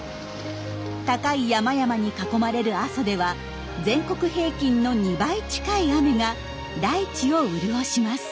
高い山々に囲まれる阿蘇では全国平均の２倍近い雨が大地を潤します。